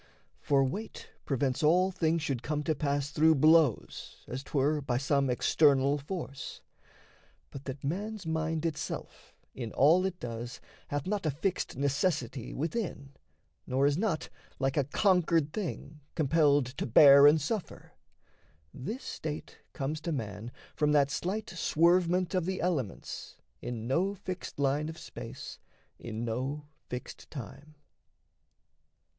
For weight prevents all things should come to pass Through blows, as 'twere, by some external force; But that man's mind itself in all it does Hath not a fixed necessity within, Nor is not, like a conquered thing, compelled To bear and suffer, this state comes to man From that slight swervement of the elements In no fixed line of space, in no fixed time.